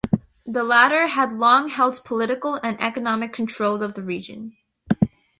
The latter had long held political and economic control of the region.